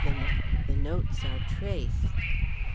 THE NOTES ARE TRACED.